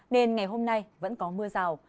nên ngày hôm nay vẫn có mưa rào